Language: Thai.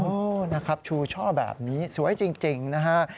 นะครับชูช่อแบบนี้สวยจริงนะฮะ